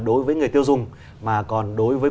đối với người tiêu dùng mà còn đối với